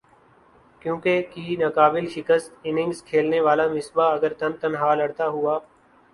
کیونکہکی ناقابل شکست اننگز کھیلنے والا مصباح اگر تن تنہا لڑتا ہوا